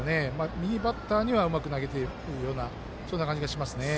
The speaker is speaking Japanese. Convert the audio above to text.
右バッターにはうまく投げているようなそんな感じがしますね。